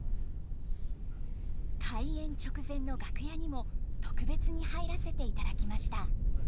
開演直前の楽屋にも特別に入らせていただきました。